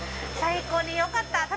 最高によかった！